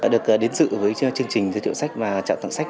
được đến sự với chương trình giới thiệu sách và trạng tặng sách